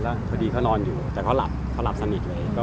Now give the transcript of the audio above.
แล้วพอดีเขานอนอยู่แต่เขาหลับเขาหลับสนิทเลย